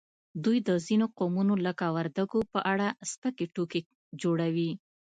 دوی د ځینو قومونو لکه وردګو په اړه سپکې ټوکې جوړوي